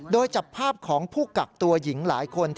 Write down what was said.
โดยจับภาพของผู้กักตัวหญิงหลายคน